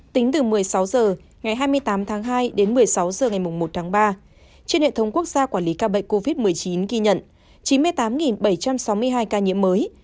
tính từ một mươi sáu h ngày hai mươi tám tháng hai đến một mươi sáu h ngày một tháng ba trên hệ thống quốc gia quản lý ca bệnh covid một mươi chín ghi nhận chín mươi tám bảy trăm sáu mươi hai ca nhiễm mới